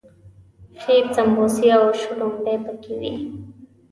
ښې سمبوسې او شلومبې پکې وي.